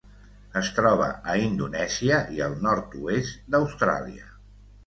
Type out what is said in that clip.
Es troba a Indonèsia i el nord-oest d'Austràlia.